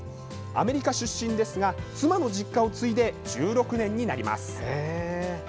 アメリカ出身ですが妻の実家を継いで１６年になります。